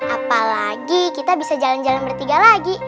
apalagi kita bisa jalan jalan bertiga lagi